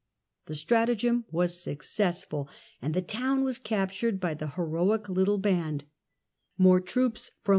The stratagem was successful, and the town was cap tured by the heroic little band; more troops from Recovery